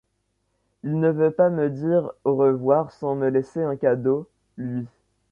Il ne veut pas me dire au revoir sans me laisser un cadeau : lui.